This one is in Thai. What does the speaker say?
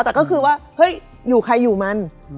แต่ก็คือว่าเฮ้ยอยู่ใครอยู่มัน